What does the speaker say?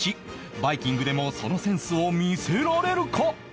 バイキングでもそのセンスを見せられるか？